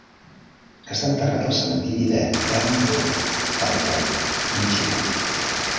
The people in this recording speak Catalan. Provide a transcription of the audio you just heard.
Està enterrat al cementiri de Elmwood a Detroit, Michigan.